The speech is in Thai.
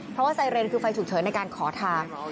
เพราะว่าไซเรนคือไฟฉุกเฉินในการขอทาง